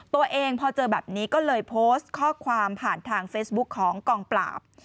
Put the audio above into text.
ตัวเองพอเจอแบบนี้ก็เลยโพสต์ข้อความผ่านทางเฟซบุ๊คของกองปราบ